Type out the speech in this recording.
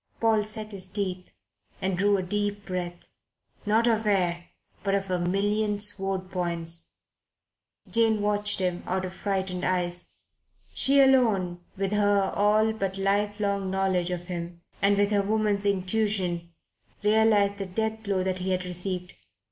Paul set his teeth and drew a deep breath not of air, but of a million sword points, Jane watched him out of frightened eyes. She alone, with her all but life long knowledge of him, and with her woman's intuition, realized the death blow that he had received.